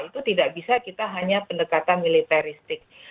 itu tidak bisa kita hanya pendekatan militeristik